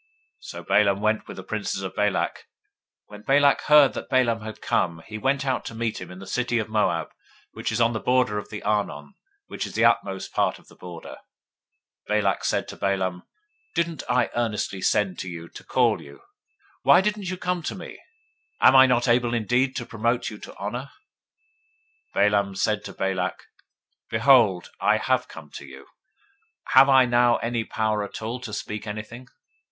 So Balaam went with the princes of Balak. 022:036 When Balak heard that Balaam was come, he went out to meet him to the City of Moab, which is on the border of the Arnon, which is in the utmost part of the border. 022:037 Balak said to Balaam, Didn't I earnestly send to you to call you? why didn't you come to me? am I not able indeed to promote you to honor? 022:038 Balaam said to Balak, Behold, I have come to you: have I now any power at all to speak anything?